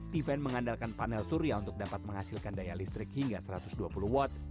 tiven mengandalkan panel surya untuk dapat menghasilkan daya listrik hingga satu ratus dua puluh watt